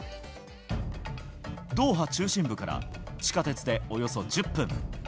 ドーハ中心部から地下鉄でおよそ１０分。